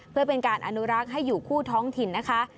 เพื่อเป็นการอนุรักษ์ให้อยู่คู่ท้องถิ่นนะคะ